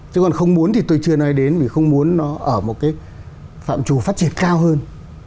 chứ còn không muốn thì tôi chưa nói đến vì không muốn nó ở một cái phạm trù phát triển cao hơn